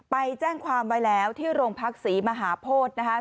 ไปแจ้งความไว้แล้วที่โรงพักศรีมหาโพธินะคะ